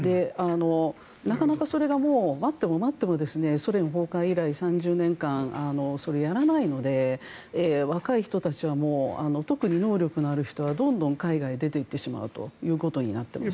なかなかそれが待っても待ってもソ連崩壊以来３０年間それをやらないので若い人たちは特に能力のある人はどんどん海外に出ていってしまうことになっています。